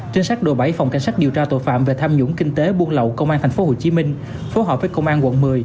trinh sát đội bảy phòng cảnh sát điều tra tội phạm về tham nhũng kinh tế buôn lậu công an tp hcm phối hợp với công an quận một mươi